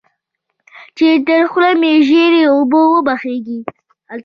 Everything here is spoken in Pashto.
چې تر خوله مې ژېړې اوبه وبهېږي.